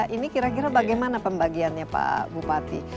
ini kira kira bagaimana pembagiannya pak bupati